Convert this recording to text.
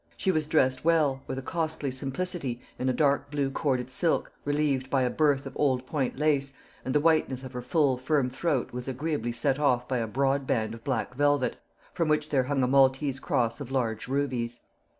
She was dressed well, with a costly simplicity, in a dark blue corded silk, relieved by a berthe of old point lace, and the whiteness of her full firm throat was agreeably set off by a broad band of black velvet, from which there hung a Maltese cross of large rubies.